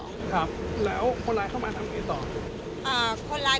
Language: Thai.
ครับแล้วคนร้ายเข้ามาทำอย่างไรต่อ